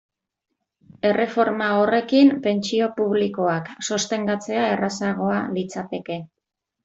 Erreforma horrekin, pentsio publikoak sostengatzea errazagoa litzateke.